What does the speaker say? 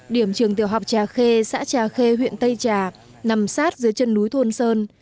điểm trường tiểu học trà khê xã trà khê huyện tây trà nằm sát dưới chân núi thôn sơn